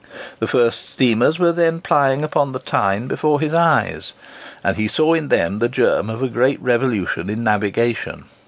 The first steamers were then plying upon the Tyne before his eyes; and he saw in them the germ of a great revolution in navigation.